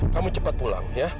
kamu cepat pulang ya